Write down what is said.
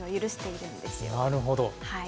なるほど。